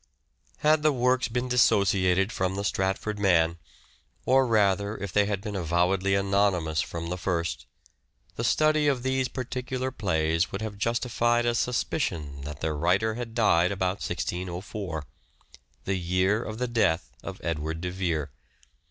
Had the works been dissociated from the Stratford man, or rather, if they had been avowedly anonymous from the first, the study of these particular plays would have justified a suspicion that their writer had died about 1604 : the year of the death of Edward de Vere.